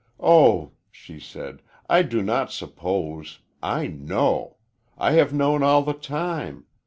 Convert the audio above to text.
"Oh," she said, "I do not suppose I know! I have known all the time.